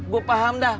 gue paham dah